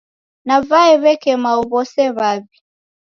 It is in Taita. Navae w'eke mao w'ose w'aw'i.